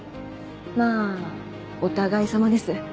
まぁお互いさまです。